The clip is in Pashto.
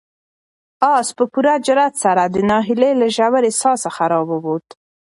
آس په پوره جرئت سره د ناهیلۍ له ژورې څاه څخه راووت.